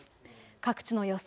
各地の予想